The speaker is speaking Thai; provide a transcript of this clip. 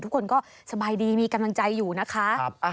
ทุกคนก็สบายดีมีกำลังใจอยู่นะคะ